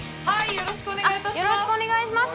よろしくお願いします